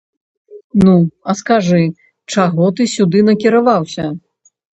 Ну, а скажы, чаго ты сюды накіраваўся?